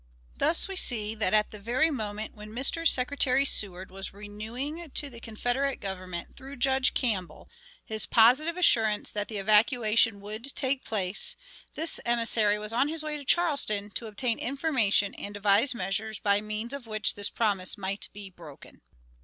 Thus we see that, at the very moment when Mr. Secretary Seward was renewing to the Confederate Government, through Judge Campbell, his positive assurance that "the evacuation would take place," this emissary was on his way to Charleston to obtain information and devise measures by means of which this promise might be broken.